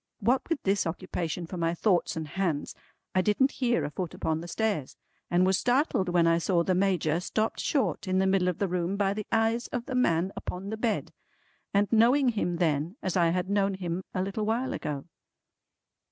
What with this occupation for my thoughts and hands, I didn't hear a foot upon the stairs, and was startled when I saw the Major stopped short in the middle of the room by the eyes of the man upon the bed, and knowing him then, as I had known him a little while ago.